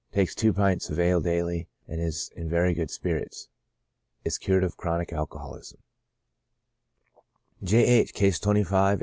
Takes two pints of ale daily, and is in very good spirits. Is cured of chronic alcoholism." I20 CHRONIC ALCOHOLISM. J.